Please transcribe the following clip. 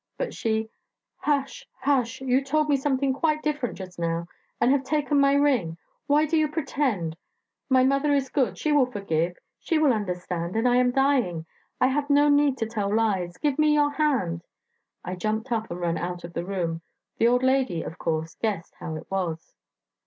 But she: 'Hush, hush; you told me something quite different just now, and have taken my ring. Why do you pretend? My mother is good she will forgive she will understand and I am dying. ... I have no need to tell lies; give me your hand.' I jumped up and ran out of the room. The old lady, of course, guessed how it was.